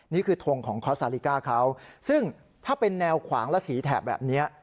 ทงของคอสซาลิก้าเขาซึ่งถ้าเป็นแนวขวางและสีแถบแบบนี้